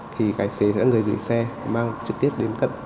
thì cái xế sẽ là người dưới xe mang trực tiếp đến cận